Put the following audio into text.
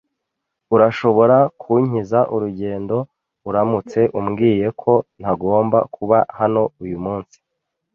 Urashobora kunkiza urugendo uramutse umbwiye ko ntagomba kuba hano uyumunsi.